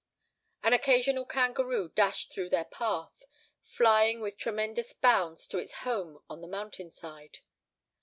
An occasional kangaroo dashed across their path, flying with tremendous bounds to its home on the mountain side.